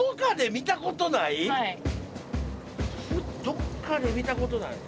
どっかで見たことない？